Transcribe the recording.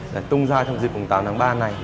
để tung ra trong dịp mùng tám tháng ba này